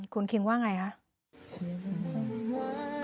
คุณครีมว่าไงครับ